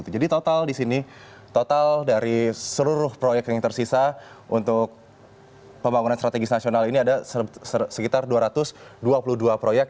jadi total di sini total dari seluruh proyek yang tersisa untuk pembangunan strategis nasional ini ada sekitar dua ratus dua puluh dua proyek